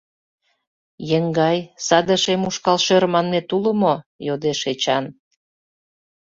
— Еҥгай, саде шем ушкал шӧр манмет уло мо? — йодеш Эчан.